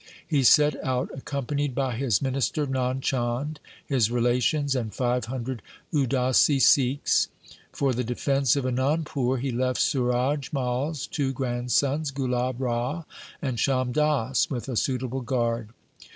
He set out accom panied by his minister Nand Chand, his relations, and five hundred Udasi Sikhs. For the defence of Anandpur he left Suraj Mai's two grandsons, Gulab Rai and Sham Das, with a suitable guard.